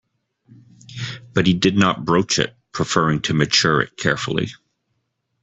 But he did not broach it, preferring to mature it carefully.